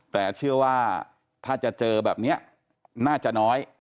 แต่เชื่อว่าถ้าจะเจอแบบนี้น่าจะน้อย